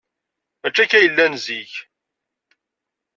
Maci akka ay llan zik.